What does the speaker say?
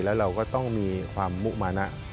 แล้วเราก็ต้องมีความมุมานะ